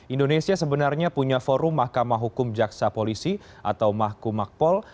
indonesia sebenarnya punya forum mahkamah hukum jaksa polisi atau mahkumakpol